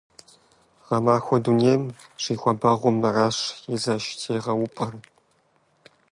Гъэмахуэу дунейм щихуабэгъуэм мыращ и зэш тегъэупӀэр.